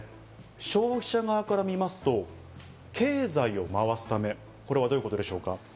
消費者側から見ますと経済を回すため、これはどういうことでしょうか？